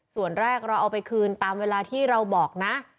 ส่วนแรกเราเอาไปคืนตามเวลาที่เราบอกนะ